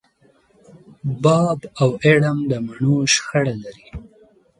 باب او اېډم د مڼو شخړه لري.